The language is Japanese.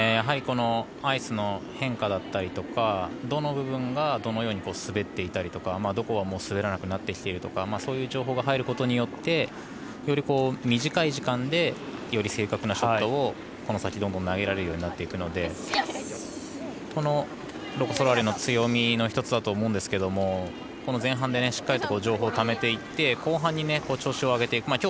アイスの変化だったりとかどの部分がどのように滑っていたりとかどこが滑らなくなってきたとかそういう情報が入ることによってより短い時間でより正確なショットをこの先、投げられるようになっていくのでロコ・ソラーレの強みの１つだと思うんですけども前半で、しっかりと情報をためて後半に調子を上げていく。